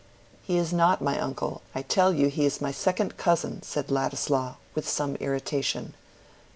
"He is not my uncle. I tell you he is my second cousin," said Ladislaw, with some irritation.